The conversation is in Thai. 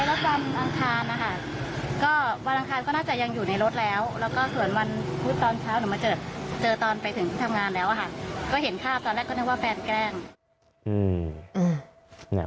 ก็เห็นคราบตอนแรกก็นึกว่าแฟนแกล้ง